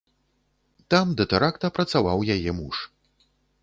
Там да тэракта працаваў яе муж.